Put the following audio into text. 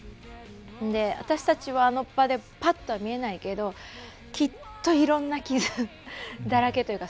私たちは、あの場でパッとは見えないけどきっと、いろんな傷だらけというか。